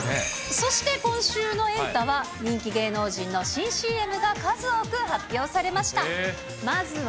そして今週のエンタは、人気芸能人の新ＣＭが数多く発表されました。